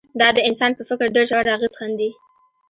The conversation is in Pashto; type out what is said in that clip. دا د انسان په فکر ډېر ژور اغېز ښندي